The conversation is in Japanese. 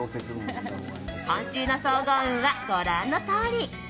今週の総合運は、ご覧のとおり。